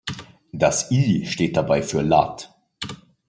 Das «i» steht dabei für lat.